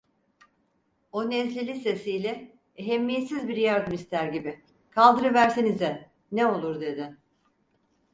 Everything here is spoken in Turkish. O nezleli sesiyle, ehemmiyetsiz bir yardım ister gibi: "Kaldırıversenize, ne olur?" dedi.